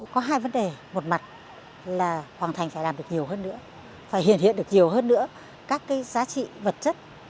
có hai vấn đề một mặt là hoàng thành phải làm được nhiều hơn nữa phải hiện hiện được nhiều hơn nữa các cái giá trị vật chất